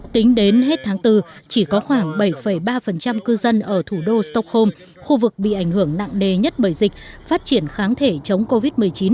tính đến hết tháng bốn chỉ có khoảng bảy ba cư dân ở thủ đô stockholm khu vực bị ảnh hưởng nặng đề nhất bởi dịch phát triển kháng thể chống covid một mươi chín